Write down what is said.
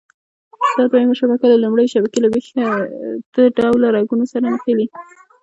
دا دویمه شبکه له لومړۍ شبکې له ویښته ډوله رګونو سره نښلي.